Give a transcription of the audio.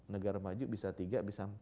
negara maju bisa tiga bisa empat